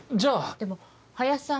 でも林さん